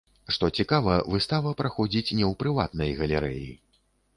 Што цікава, выстава праходзіць не ў прыватнай галерэі.